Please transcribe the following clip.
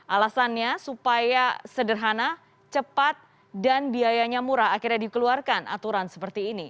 alasannya supaya sederhana cepat dan biayanya murah akhirnya dikeluarkan aturan seperti ini